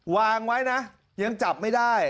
วางไว้นะยังจับไม่ได้